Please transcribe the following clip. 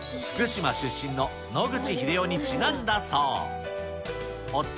福島出身の野口英世にちなんだそう。